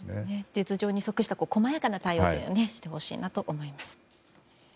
実情に即した細やかな対応をしてほしいなというふうに思います。